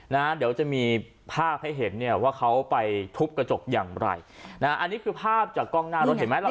เดี๋ยวจะมีภาพให้เห็นเนี่ยว่าเขาไปทุบกระจกอย่างไรนะฮะอันนี้คือภาพจากกล้องหน้ารถเห็นไหมล่ะ